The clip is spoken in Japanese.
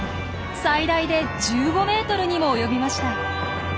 最大で１５ｍにも及びました。